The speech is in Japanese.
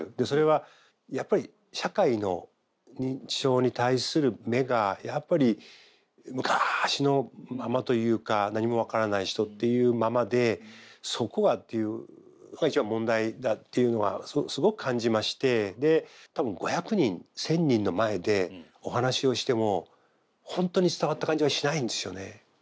それはやっぱり社会の認知症に対する目がやっぱり昔のままというか何も分からない人っていうままでそこが一番問題だっていうのはすごく感じましてで多分５００人１，０００人の前でお話をしても本当に伝わった感じがしないんですよね。